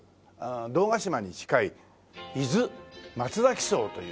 堂ヶ島に近い伊豆まつざき荘というね